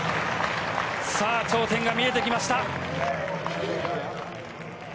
さぁ頂点が見えてきました。